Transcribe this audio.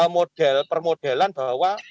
model permodelan bahwa